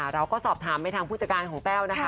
เราก็สอบถามไปทางผู้จัดการของแต้วนะคะ